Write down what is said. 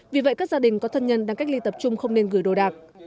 vì vậy các gia đình có thân nhân đang cách ly tập trung không nên gửi đồ đạc